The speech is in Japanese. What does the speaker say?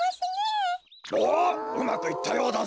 おっうまくいったようだぞ。